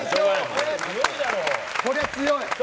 これは強い。